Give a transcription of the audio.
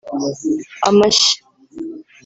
(amashyi)